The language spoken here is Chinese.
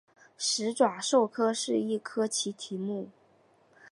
始爪兽科是一科奇蹄目。